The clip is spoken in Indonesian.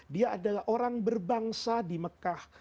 dia adalah orang berbangsa di mekah